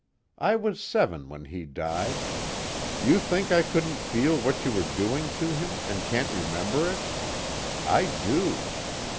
I was seven when he died you think I couldn't feel what you were doing to him, and can't remember it? I do.